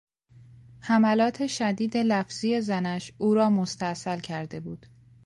حملات شدید لفظی زنش او را مستاصل کرده بود.